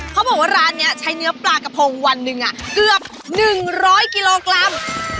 เขาบอกว่าร้านนี้ใช้เนื้อปลากระพงวันหนึ่งเกือบ๑๐๐กิโลกรัม